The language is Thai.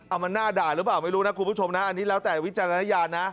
เอามันน่าด่าหรือเปล่าไม่รู้นะคุณผู้ชมนะอันนี้แล้วแต่วิจารณญาณนะ